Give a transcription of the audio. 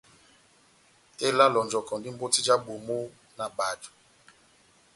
Tela a lonjɔkɔndi mbɔti ja bamo na bajo.